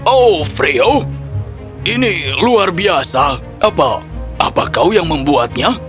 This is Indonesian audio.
oh freo ini luar biasa apa kau yang membuatnya